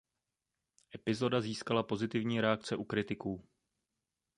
Epizoda získala pozitivní reakce u kritiků.